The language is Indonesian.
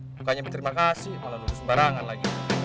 bukannya berterima kasih malah lurus sembarangan lagi